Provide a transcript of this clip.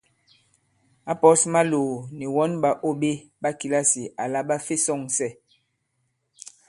Ǎ pɔ̌s Maloò nì wɔn ɓàô ɓe ɓa kìlasì àla ɓa fe sɔ̂ŋsɛ.